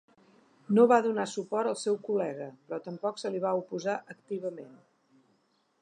No va donar suport al seu col·lega però tampoc se li va oposar activament.